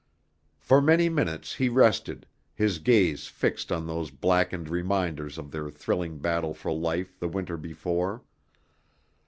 For many minutes he rested, his gaze fixed on those blackened reminders of their thrilling battle for life the winter before.